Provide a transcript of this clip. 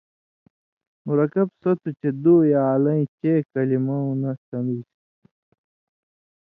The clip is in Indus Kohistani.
مرکب سو تُھو چے سو دُو یا اَلَیں چئی کلیۡمیُوں نہ سن٘دُژ